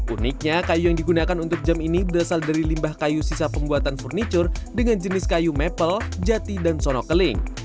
uniknya kayu yang digunakan untuk jam ini berasal dari limbah kayu sisa pembuatan furniture dengan jenis kayu maple jati dan sono keling